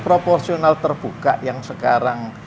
proporsional terbuka yang sekarang